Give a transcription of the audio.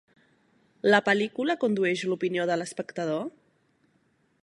La pel·lícula condueix l'opinió de l'espectador?